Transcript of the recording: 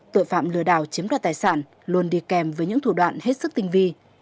tội phạm lừa đảo chiếm đoạt tài sản luôn đi kèm với những thủ đoạn hết sức tinh vi